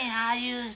ああいう